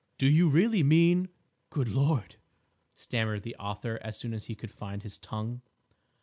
"Do you really mean—Good Lord!" stammered the author as soon as he could find his tongue.